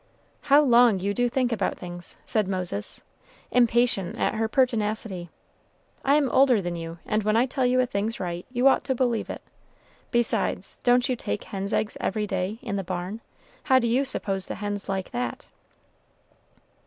"How long you do think about things!" said Moses, impatient at her pertinacity. "I am older than you, and when I tell you a thing's right, you ought to believe it. Besides, don't you take hens' eggs every day, in the barn? How do you suppose the hens like that?"